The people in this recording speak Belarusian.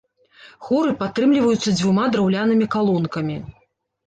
Хоры падтрымліваюцца дзвюма драўлянымі калонкамі.